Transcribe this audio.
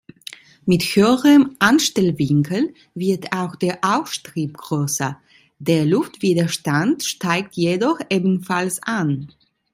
Mit höherem Anstellwinkel wird auch der Auftrieb größer, der Luftwiderstand steigt jedoch ebenfalls an.